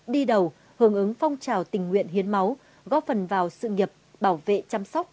đi đầu hướng ứng phong trào tình nguyện hiến máu góp phần vào sự nghiệp bảo vệ chăm sóc